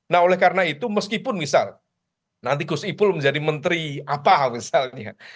nah oleh karena itu meskipun misal nanti gus ipul menjadi menteri apa misalnya